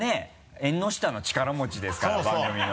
縁の下の力持ちですから番組の。